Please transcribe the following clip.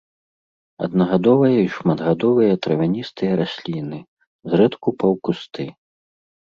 Аднагадовыя і шматгадовыя травяністыя расліны, зрэдку паўкусты.